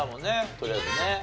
とりあえずね。